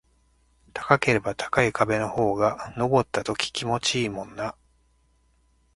高ければ高い壁の方が登った時気持ちいいもんな